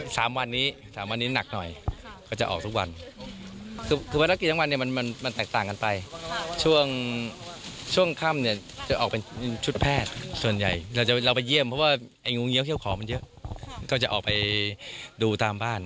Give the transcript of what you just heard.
ส่วนใหญ่เราไปเยี่ยมเพราะว่าตำบลงเว้าเยี่ยมออกไปดูว่าตามบ้าน